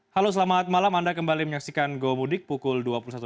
halo selamat malam anda kembali menyaksikan go mudik pukul dua puluh satu